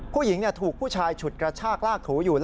ผู้หญิงถูกผู้ชายฉุดกระชากลากถูอยู่